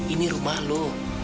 ini rumah lo